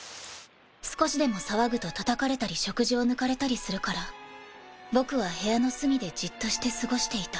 少しでも騒ぐとたたかれたり食事を抜かれたりするから僕は部屋の隅でじっとして過ごしていた。